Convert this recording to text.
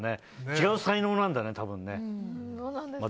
違う才能なんだね、多分。